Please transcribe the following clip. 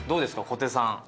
小手さん。